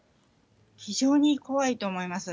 非常に怖いと思います。